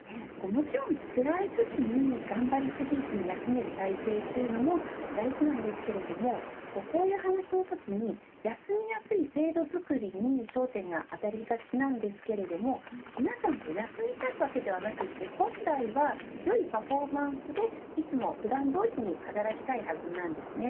もちろん、つらいときに頑張りすぎずに休める体制というのも大事なんですがこういう話のときに休みやすい制度づくりに焦点が当たりがちなんですが皆さん休みたいわけではなく本来はよいパフォーマンスでいつも普段どおりに働きたいはずなんです。